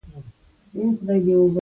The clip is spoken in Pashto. ماشومانو د جهيل غاړه شاوخوا وکتله.